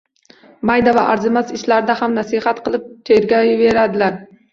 Mayda va arzimas ishlarda ham nasihat qilib tergayveradilar.